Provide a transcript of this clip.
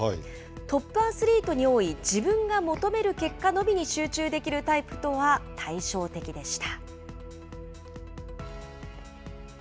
トップアスリートに多い自分が求める結果のみに集中できるタイプとは対照的でした。